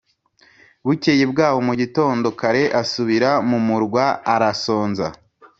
Bukeye bwaho mu gitondo kare asubira mu murwa arasonza